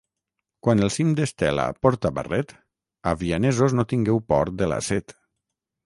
Quan el cim d'Estela porta barret, avianesos no tingueu por de la set.